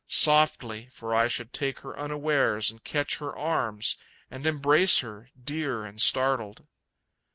Softly, for I should take her unawares and catch her arms, And embrace her, dear and startled.